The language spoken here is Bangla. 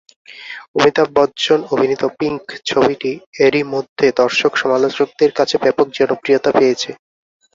অমিতাভ বচ্চন অভিনীত পিঙ্ক ছবিটি এরই মধ্যে দর্শক-সমালোচকদের কাছে ব্যাপক জনপ্রিয়তা পেয়েছে।